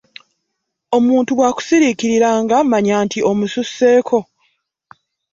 Omuntu bw'akusiriikiriranga manya nti omususseeko.